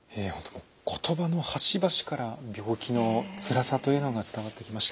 もう言葉の端々から病気のつらさというのが伝わってきました。